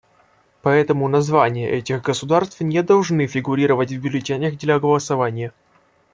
Поэтому названия этих государств не должны фигурировать в бюллетенях для голосования.